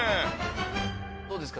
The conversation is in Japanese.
どうですか？